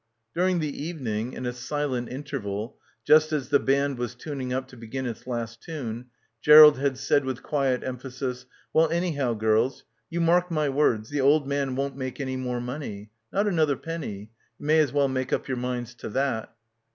During the evening, in a silent interval, just as the band was tuning up to begin its last tune, Gerald had said with quiet emphasis, "Well, anyhow, girls, you mark my words the old man won't make any more money. Nor another penny. You may as well make up your minds to that."